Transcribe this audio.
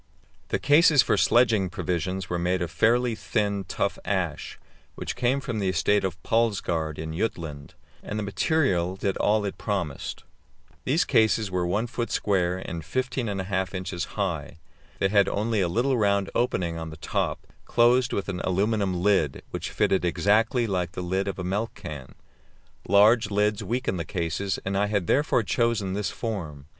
The cases for sledging provisions were made of fairly thin, tough ash, which came from the estate of Palsgaard in Jutland, and the material did all it promised. These cases were 1 foot square and 15 1/2 inches high. They had only a little round opening on the top, closed with an aluminium lid, which fitted exactly like the lid of a milk can. Large lids weaken the cases, and I had therefore chosen this form.